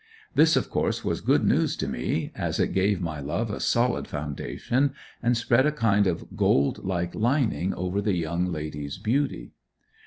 This of course was good news to me, as it gave my love a solid foundation, and spread a kind of gold like lining over the young lady's beauty.